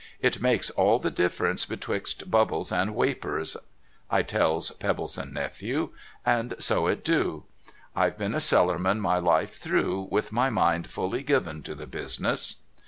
It makes all the difference betwixt bubbles and wapours," I tells Pebbleson Nephew. And so it do. I've been a cellarman my life through, with my mind fully given to the business.